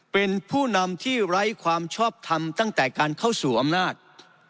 เป็นผู้นำที่ไร้ความชอบทำตั้งแต่การเข้าสู่อำนาจ